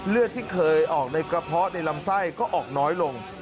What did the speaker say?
เลือดที่เคยออกในกระเพาะในลำไส้ก็ออกน้อยลง